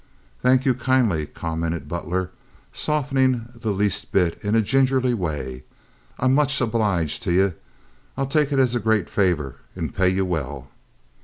"Thank you kindly," commented Butler, softening the least bit in a gingerly way. "I'm much obliged to you. I'll take it as a great favor, and pay you well."